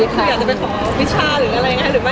ใครอยากจะไปขอวิชาหรืออะไรอย่างนี้